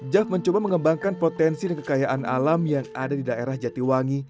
jav mencoba mengembangkan potensi dan kekayaan alam yang ada di daerah jatiwangi